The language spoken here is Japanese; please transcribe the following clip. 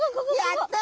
やった！